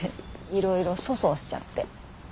いろいろ粗相しちゃって。